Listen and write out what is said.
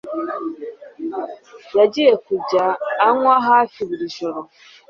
yagiye kujya anywa hafi buri joro